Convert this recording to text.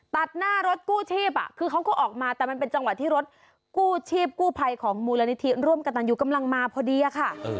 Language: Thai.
ตัดหน้ารถกู้ชีพคือเขาก็ออกมาแต่มันเป็นจังหวะที่รถกู้ชีพกู้ภัยของมูลนิธิร่วมกับตันยูกำลังมาพอดีอะค่ะ